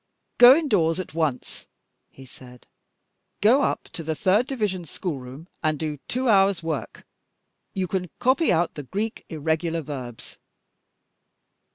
"Go indoors at once," he said. "Go up to the third division school room and do two hours' work. You can copy out the Greek irregular verbs."